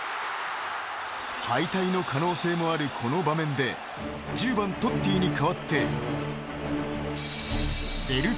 ［敗退の可能性もあるこの場面で１０番トッティに代わって］